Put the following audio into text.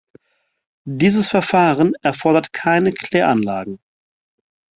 Dieses Verfahren erfordert keine Kläranlagen.